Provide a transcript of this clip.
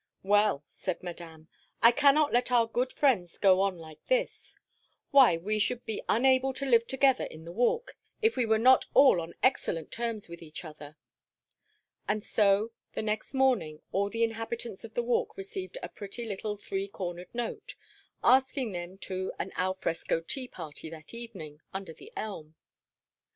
"Well," said Madame, "I cannot let our good friends go on like this. Why, we should be unable to live together in the Walk, if we were not all on excellent terms with each other." And so the next morning all the inhabitants of the Walk received a pretty little three cornered note, asking them to an al fresco tea party that evening, under the elm.